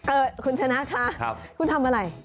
เออคุณชนะคะคุณทำอะไร